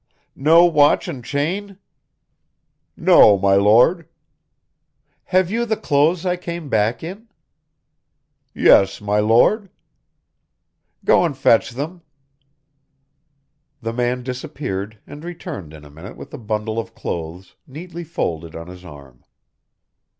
"No watch and chain?" "No, my Lord." "Have you the clothes I came back in?" "Yes, my Lord." "Go and fetch them." The man disappeared and returned in a minute with a bundle of clothes neatly folded on his arm.